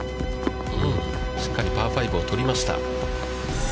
しっかりパー５を取りました。